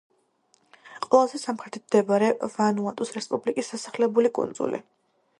ყველაზე სამხრეთით მდებარე ვანუატუს რესპუბლიკის დასახლებული კუნძული.